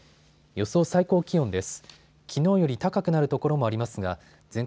予想最高気温です。